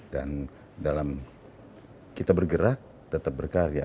dan dalam kita bergerak tetap berkarya